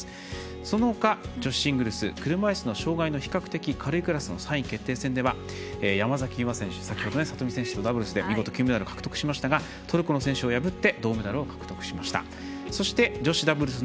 そのほか女子シングルス車いすの障がいの比較的軽いクラスの３位決定戦では山崎悠麻選手、先ほど里見選手とダブルスで見事金メダル獲得しましたがトルコの選手を破って銅メダルを獲得しました。